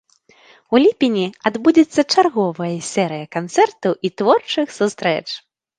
У ліпені адбудзецца чарговая серыя канцэртаў і творчых сустрэч.